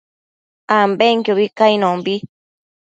ambenquiobi cainombi